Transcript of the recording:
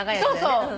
そうそう。